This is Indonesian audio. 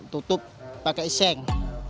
tutup pakai iseng